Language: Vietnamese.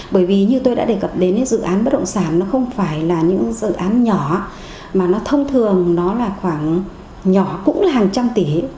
bởi vì như tôi đã đề cập đến dự án bất động sản nó không phải là những dự án nhỏ mà nó thông thường nó là khoảng nhỏ cũng là hàng trăm tỷ